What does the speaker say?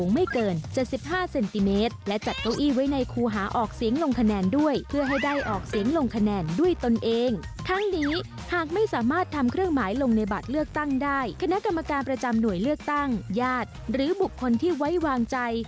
ซวงไม่เกิน๗๕เซนติเมตรและจัดเก้าอี้ไว้ในคู่หาออกเสียงลงคะแนนด้วยเพื่อให้ได้ออกเสียงลงคะแนนด้วยตนเองทั้งนี้หากไม่สามารถทำเครื่องหมายลงในบัตรเลือกตั้งได้คณะกรรมการประจำหน่วยเลือกตั้งญาติหรือบุบคนที่ไว้วางใจ